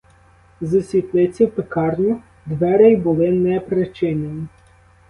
З світлиці в пекарню двері були не причинені.